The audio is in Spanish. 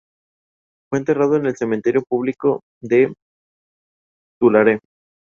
Fue enterrado en el Cementerio Público de Tulare.